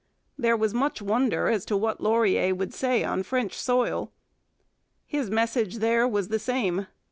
There was much wonder as to what Laurier would say on French soil. His message there was the same.